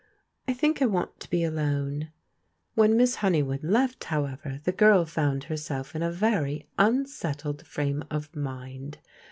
I think I want to be alone." When Miss Honeywood left, however, the girl found herself in a very unsettled frame of mind.